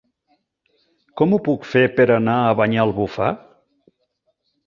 Com ho puc fer per anar a Banyalbufar?